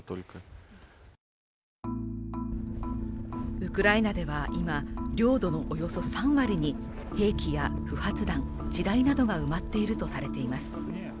ウクライナでは今領土のおよそ３割に兵器や不発弾地雷などが埋まっているとされています。